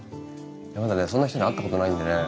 まだねそんな人に会ったことないんでね。